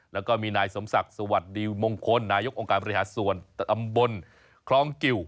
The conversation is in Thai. แล้วก็มีนายสมศักดิ์สวัสดีมงคลนายกองค์การบริหารส่วนตำบลคลองกิว